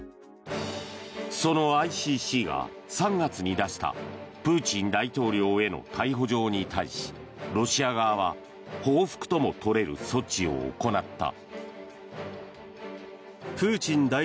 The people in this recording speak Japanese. そのＩＣＣが３月に出したプーチン大統領への逮捕状に対しロシア側は報復ともとれる措置を行った。